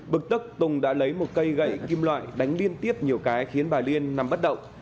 bực tức tùng đã lấy một cây gậy kim loại đánh liên tiếp nhiều cái khiến bà liên nằm bất động